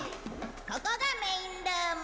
ここがメインルーム。